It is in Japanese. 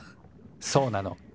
そうなの。